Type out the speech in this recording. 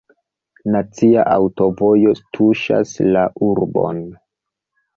Nacia aŭtovojo tuŝas la urbon.